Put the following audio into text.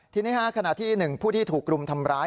ทีนี้ขณะที่หนึ่งผู้ที่ถูกกลุ่มทำร้าย